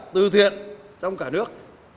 từ thiện trong cả nước